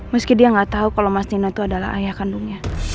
meski dia nggak tahu kalau mas dino itu adalah ayah kandungnya